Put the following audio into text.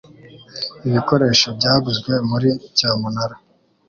Ibikoresho byaguzwe muri cyamunara.